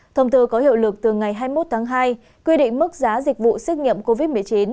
thông tư có hiệu lực từ ngày hai mươi một tháng hai quy định mức giá dịch vụ xét nghiệm covid một mươi chín